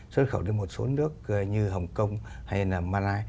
xuất khẩu đến một số nước như hồng kông hay là malay